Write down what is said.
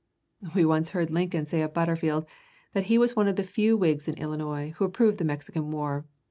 We once heard Lincoln say of Butterfield that he was one of the few Whigs in Illinois who approved the Mexican war.